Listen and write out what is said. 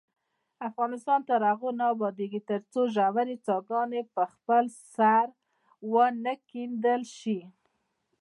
افغانستان تر هغو نه ابادیږي، ترڅو ژورې څاګانې په خپل سر ونه کیندل شي.